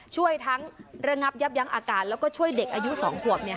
ช่วยทั้งระงับยับยั้งอาการแล้วก็ช่วยเด็กอายุ๒ขวบ